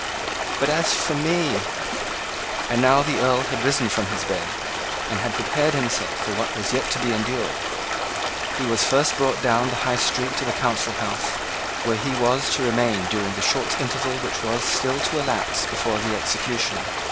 But as for me " And now the Earl had risen from his bed, and had prepared himself for what was yet to be endured. He was first brought down the High Street to the Council House, where he was to remain during the short interval which was still to elapse before the execution.